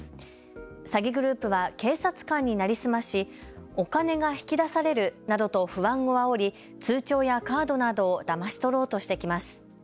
詐欺グループは警察官に成り済ましお金が引き出されるなどと不安をあおり通帳やカードなどをだまし取ろうとしてきます。